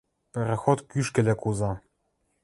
Пароход кӱшкӹлӓ куза.